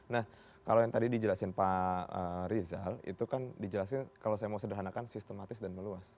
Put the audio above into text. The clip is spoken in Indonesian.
nah kalau yang tadi dijelasin pak rizal itu kan dijelasin kalau saya mau sederhanakan sistematis dan meluas